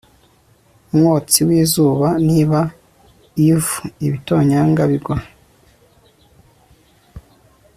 umwotsi w'izuba; niba eave-ibitonyanga bigwa